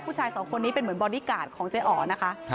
ผู้ชายสองคนนี้เป็นเหมือนบอดี้การ์ดของเจ๊อ๋อนะคะ